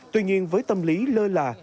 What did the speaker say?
tuy nhiên với tâm lý lơ là